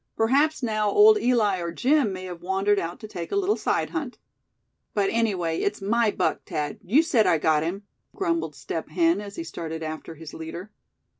Perhaps now old Eli, or Jim may have wandered out to take a little side hunt." "But anyway, it's my buck, Thad; you said I got him!" grumbled Step Hen, as he started after his leader.